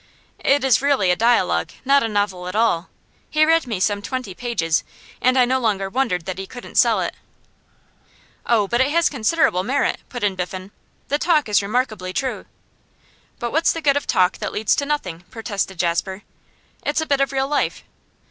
It is really a dialogue, not a novel at all. He read me some twenty pages, and I no longer wondered that he couldn't sell it.' 'Oh, but it has considerable merit,' put in Biffen. 'The talk is remarkably true.' 'But what's the good of talk that leads to nothing?' protested Jasper. 'It's a bit of real life.